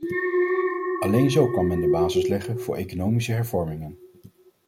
Alleen zo kan men de basis leggen voor economische hervormingen.